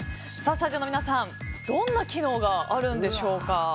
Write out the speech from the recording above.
スタジオの皆さんどんな機能があるんでしょうか。